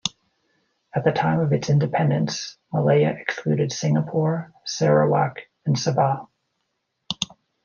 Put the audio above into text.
At the time of its independence, Malaya excluded Singapore, Sarawak and Sabah.